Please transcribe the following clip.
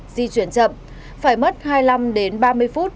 di chuyển chậm phải mất hai mươi năm đến ba mươi phút